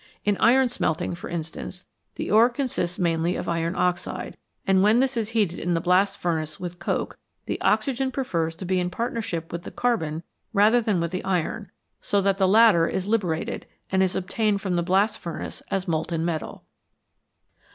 In iron smelting, for instance, the ore consists mainly of iron oxide, and when this is heated in the blast furnace with coke, the oxygen prefers to be in partnership with the carbon rather than with the iron, so that the latter is liberated, and is obtained from the blast furnace as molten metal.